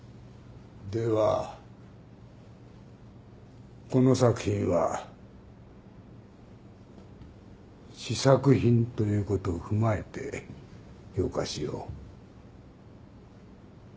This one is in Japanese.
ではこの作品は試作品ということを踏まえて評価しよう。